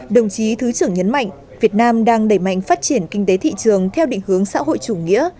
đồng chí thứ trưởng nhấn mạnh việt nam đang đẩy mạnh phát triển kinh tế thị trường theo định hướng xã hội chủ nghĩa